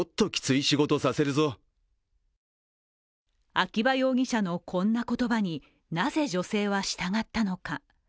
秋葉容疑者のこんな言葉になぜ女性は従ったのか。